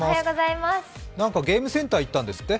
ゲームセンターに行ったんですって？